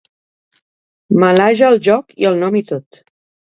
Malhaja el joc i el nom i tot.